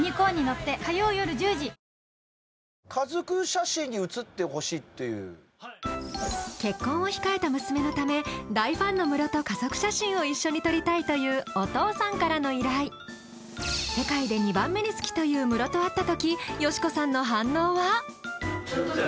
さらに結婚を控えた娘のため大ファンのムロと家族写真を一緒に撮りたいというお父さんからの依頼世界で２番目に好きというムロと会った時佳子さんの反応は？